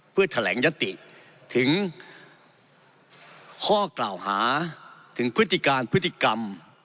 เพื่อแถลงยติถึงข้อกล่าวหาถึงพฤติการพฤติกรรม